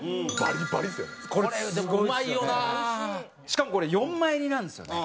しかもこれ４枚入りなんですよね。